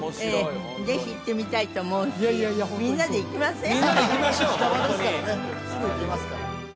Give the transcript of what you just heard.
ぜひ行ってみたいと思うしみんなで行きません？